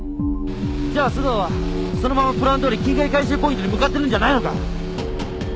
じゃあ須藤はそのままプランどおり金塊回収ポイントに向かってるんじゃないのか？